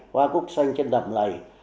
hoa cúc xanh trên đầm lầy